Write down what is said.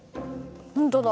本当だ。